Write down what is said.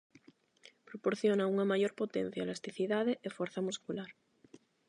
Proporciona unha maior potencia, elasticidade e forza muscular.